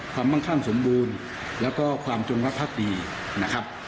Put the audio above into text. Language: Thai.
มั่งข้างสมบูรณ์แล้วก็ความจงรักภักดีนะครับ